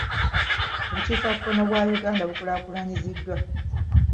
Obukiikakkono bwa Uganda bukulaakulanyiziddwa.